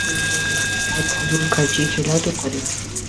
تون فضول خرچي ڇيلا تو ڪرين؟